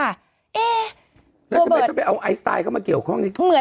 แล้วทำไมต้องไปเอาไอสไตล์เข้ามาเกี่ยวข้องนี้